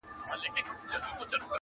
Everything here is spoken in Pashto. نسته له میرو سره کیسې د سوي میني؛